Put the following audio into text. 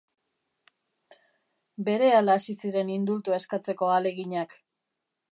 Berehala hasi ziren indultua eskatzeko ahaleginak.